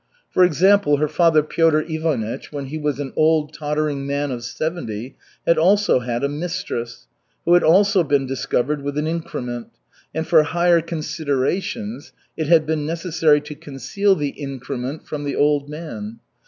For example, her father Piotr Ivanych, when he was an old, tottering man of seventy, had also had a "mistress," who had also been discovered with an "increment"; and for higher considerations it had been necessary to conceal the "increment" from the old man.